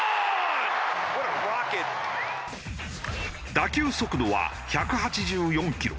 打球速度は１８４キロ。